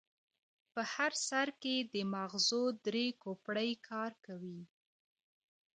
په هر سر کې د ماغزو درې کوپړۍ کار کوي.